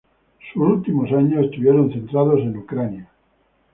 Sus últimos años estuvieron centrados en Ucrania.